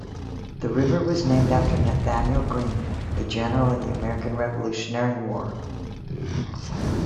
The river was named after Nathanael Greene, a general of the American Revolutionary War.